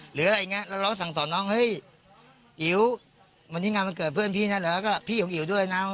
หรืออะไรอย่างนี้แล้วร้องสั่งสอนน้องเฮ้ยอิ๋ววันนี้งานวันเกิดเพื่อนพี่นะเหรอแล้วก็พี่ของอิ๋วด้วยนะ